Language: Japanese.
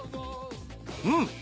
うん。